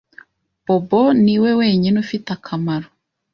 Bobo niwe wenyine ufite akamaro.